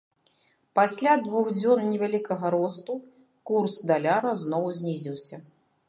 Пасля двух дзён невялікага росту курс даляра зноў знізіўся.